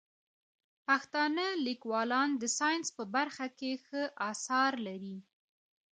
پښتانه لیکوالان د ساینس په برخه کې ښه اثار لري.